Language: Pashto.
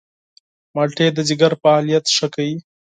مالټې د ځيګر فعالیت ښه کوي.